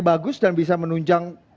bagus dan bisa menunjang